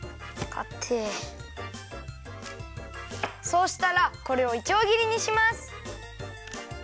そうしたらこれをいちょうぎりにします。